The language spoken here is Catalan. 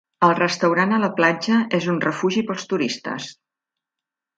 El restaurant a la platja és un refugi pels turistes.